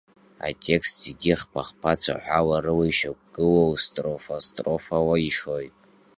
Атекст зегьы хԥа-хԥа цәаҳәа рыла ишьақәгылоу строфастрофала ишоит.